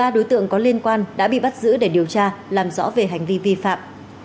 ba đối tượng có liên quan đã bị bắt giữ để điều tra làm rõ về hành vi vi phạm